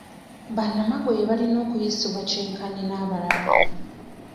Banamagoye balina kuyisibwa kyenkanyi n'abalala.